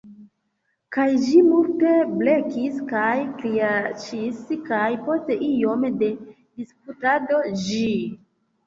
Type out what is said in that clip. Kaj ĝi multe blekis kaj kriaĉis kaj… post iom de disputado ĝi…